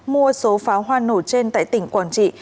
mua số pháo hoa nổ trên tại tỉnh quảng trị